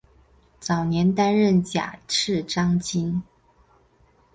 早年担任甲喇章京。